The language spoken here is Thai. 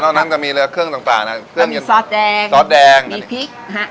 นั้นจะมีเรือเครื่องต่างต่างนะเครื่องเย็นซอสแดงซอสแดงมีพริกฮะ